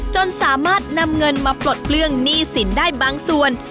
จนสามารถนำเงินมาปลดเปลื้องหนี้สินได้บางส่วน